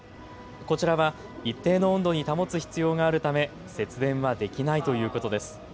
こちらは一定の温度に保つ必要があるため節電はできないということです。